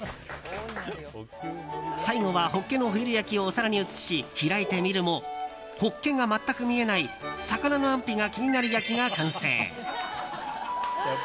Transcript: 最後はホッケのホイル焼きをお皿に移し開いてみるもホッケが全く見えない魚の安否が気になる焼きが完成。